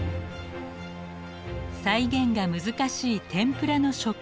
再現が難しい天ぷらの食感。